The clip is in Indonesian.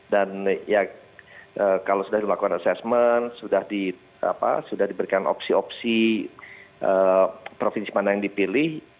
dan ya kalau sudah dilakukan asesmen sudah diberikan opsi opsi provinsi mana yang dipilih